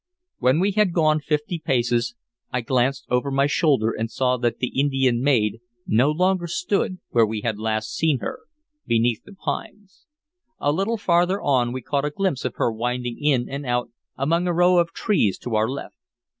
When we had gone fifty paces I glanced over my shoulder and saw that the Indian maid no longer stood where we had last seen her, beneath the pines. A little farther on we caught a glimpse of her winding in and out among a row of trees to our left.